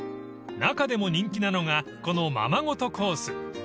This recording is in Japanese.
［中でも人気なのがこのままごとコース］